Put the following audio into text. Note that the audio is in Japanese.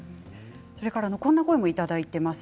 こんな声いただいています。